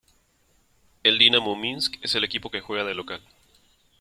El Dinamo Minsk es el equipo que juega de local.